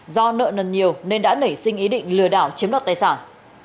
do nợ nần nhiều nên đã nảy sinh ý định lừa đảo chiếm đoạt tài sản